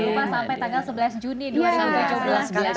lupa sampai tanggal sebelas juni dua ribu tujuh belas biasanya